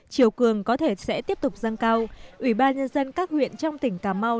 chiều cường có thể sẽ tiếp tục dâng cao ủy ban nhân dân các huyện trong tỉnh cà mau